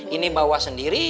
ini bawa sendiri